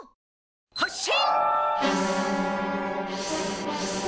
発進！